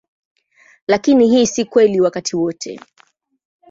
Lakini hii si kweli wakati wote.